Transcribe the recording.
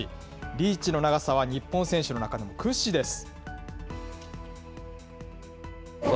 リーチの長さは日本選手の中でも屈指です。